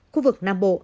khu vực nam bộ